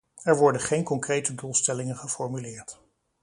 Er worden geen concrete doelstellingen geformuleerd.